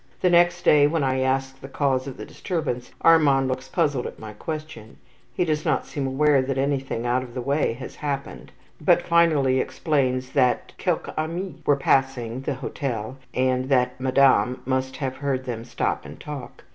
The next day when I ask the cause of the disturbance, Armand looks puzzled at my question. He does not seem aware that anything out of the way has happened; but finally explains that "quelques amis" were passing the hotel, and that Madame must have heard them stop and talk.